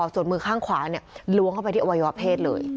ส่วนมือข้างขวาล้วงเข้าไปที่อวัยวะเพศเลย